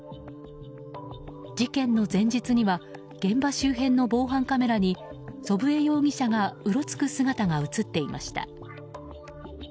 事件の前日には現場周辺の防犯カメラに祖父江容疑者がうろつく姿が映っていました。